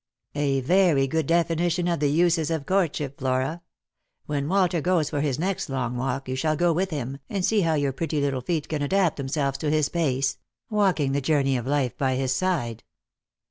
" A very good definition of the uses of courtship, Flora. "When Walter goes for his next long walk, you shall go with him. and see how your pretty little feet can adapt themselves to his pace — walking the journey of life by his side."